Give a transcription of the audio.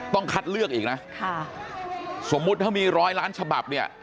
ต้องคัดเลือกนะสมมติถ้ามี๑๐๐ล้านฉบับเนี่ย